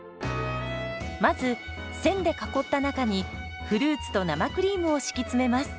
まず線で囲った中にフルーツと生クリームを敷き詰めます。